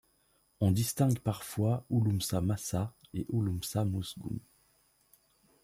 On distingue parfois Ouloumsa Massa et Ouloumsa Mousgoum.